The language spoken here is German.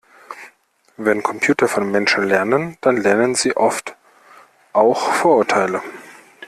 Wenn Computer von Menschen lernen, dann lernen sie oft auch Vorurteile.